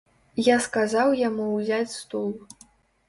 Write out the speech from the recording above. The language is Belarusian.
Я сказаў яму ўзяць стул.